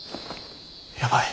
やばい。